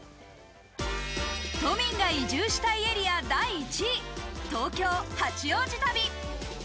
都民が移住したいエリア第１位、東京・八王子旅。